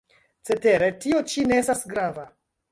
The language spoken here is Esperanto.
Cetere tio ĉi ne estas grava.